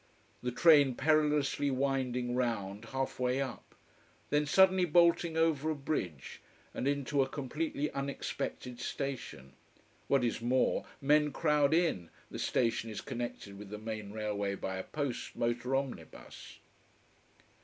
The train perilously winding round, half way up. Then suddenly bolting over a bridge and into a completely unexpected station. What is more, men crowd in the station is connected with the main railway by a post motor omnibus.